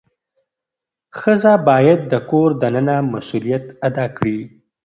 ښځه باید د کور دننه مسؤلیت ادا کړي.